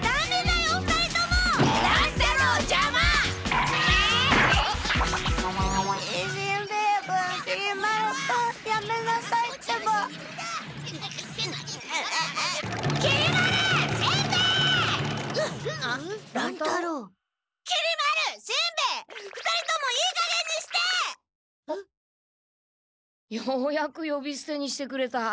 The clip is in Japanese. ようやくよびすてにしてくれた。え？